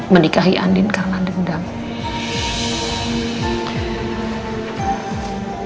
menikahi andi karena dendam